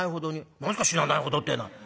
「何ですか死なないほどってのは」。